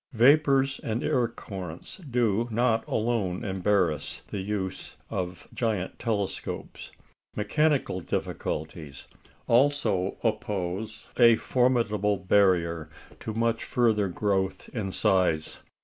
Vapours and air currents do not alone embarrass the use of giant telescopes. Mechanical difficulties also oppose a formidable barrier to much further growth in size.